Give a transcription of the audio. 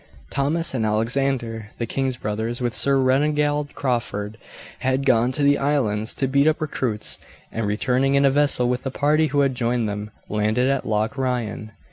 Thomas and Alexander, the king's brothers, with Sir Reginald Crawford, had gone to the islands to beat up recruits, and returning in a vessel with a party who had joined them, landed at Loch Ryan.